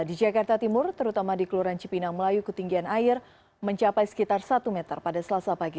di jakarta timur terutama di kelurahan cipinang melayu ketinggian air mencapai sekitar satu meter pada selasa pagi